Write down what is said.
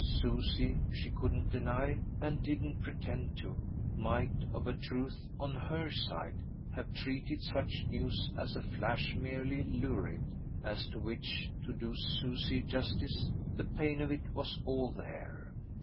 Susie she couldn't deny, and didn't pretend to might, of a truth, on HER side, have treated such news as a flash merely lurid; as to which, to do Susie justice, the pain of it was all there.